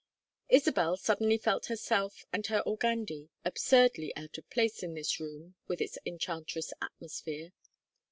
Isabel suddenly felt herself and her organdie absurdly out of place in this room with its enchantress atmosphere.